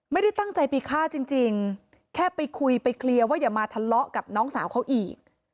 ไม่ได้ตั้งใจไปฆ่าจริงแค่ไปคุยไปเคลียร์ว่าอย่ามาทะเลาะกับน้องสาวเขาอีก